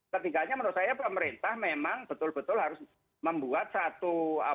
ketiganya menurut saya pemerintah memang betul betul harus membuat satu